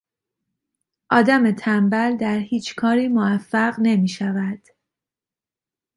آدم تنبل در هیچ کاری موفق نمیشود.